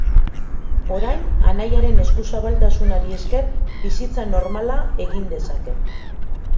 Orain, anaiaren eskuzabaltasunari esker, bizitza normala egin dezake.